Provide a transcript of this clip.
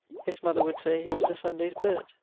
His mother would say he was a Sundaye's bird.